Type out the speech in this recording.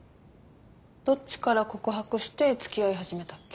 どっちから告白して付き合い始めたっけ？